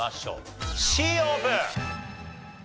Ｃオープン！